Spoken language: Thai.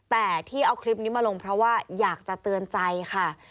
แต่ที่เอาคลิปนี้มาลงเพราะว่าอยากจะเตือนใจค่ะ